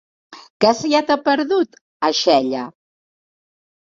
Què se t'hi ha perdut, a Xella?